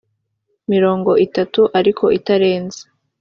mirongo itatu ariko itarenze